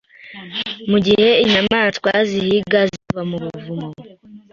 Mugihe inyamaswa zihiga Ziva mu buvumo